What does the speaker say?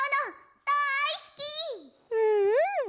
うんうん！